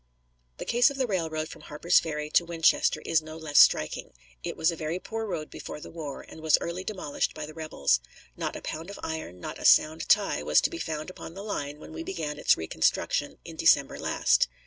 The case of the railroad from Harper's Ferry to Winchester is no less striking. It was a very poor road before the war, and was early demolished by the rebels. Not a pound of iron, not a sound tie, was to be found upon the line when we began its reconstruction in December last.